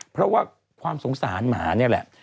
เพราะว่าความสงสารหมานี่แหละ